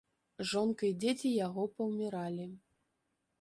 Жонка і дзеці яго паўміралі.